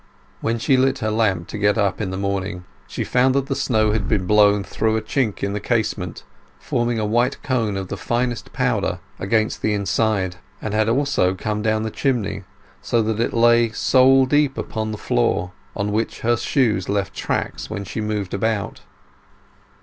When she lit her lamp to get up in the morning she found that the snow had blown through a chink in the casement, forming a white cone of the finest powder against the inside, and had also come down the chimney, so that it lay sole deep upon the floor, on which her shoes left tracks when she moved about.